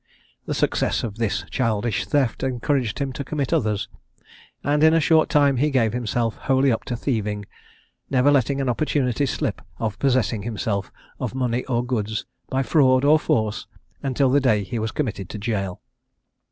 The success of this childish theft encouraged him to commit others: and in a short time he gave himself wholly up to thieving, never letting an opportunity slip of possessing himself of money or goods, by fraud or force, until the day he was committed to jail.